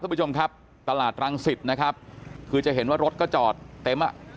คุณผู้ชมครับตลาดรังสิตนะครับคือจะเห็นว่ารถก็จอดเต็มอ่ะ